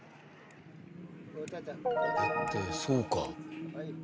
これってそうか。